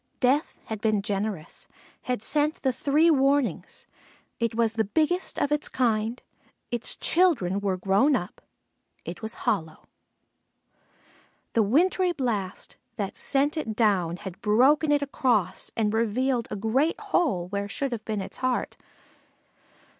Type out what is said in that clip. Death had been generous had sent the three warnings: it was the biggest of its kind, its children were grown up, it was hollow. The wintry blast that sent it down had broken it across and revealed a great hole where should have been its heart.